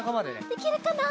できるかな？